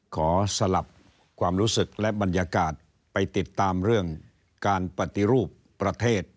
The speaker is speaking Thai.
สลับความรู้สึกและบรรยากาศไปติดตามเรื่องการปฏิรูปประเทศ